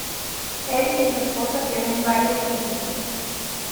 Él y su esposa tienen varios hijos.